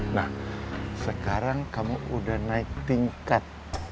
nah sekarang kamu udah naik tingkat